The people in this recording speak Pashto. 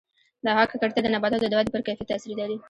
د هوا ککړتیا د نباتاتو د ودې پر کیفیت تاثیر لري.